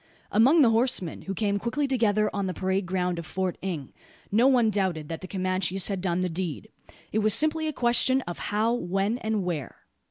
Among the horsemen, who came quickly together on the parade ground of Port Inge, no one doubted that the Comanches had done the deed. It was simply a question of how, when, and where.